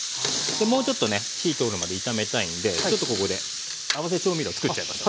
もうちょっとね火通るまで炒めたいんでちょっとここで合わせ調味料をつくっちゃいましょ。